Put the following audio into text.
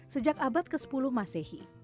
sejak abad ke sepuluh masehi